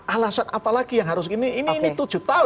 alasan apalagi yang harus gini ini tujuh tahun lho